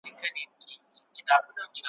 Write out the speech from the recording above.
کوډي جادو او منترونه لیکي ,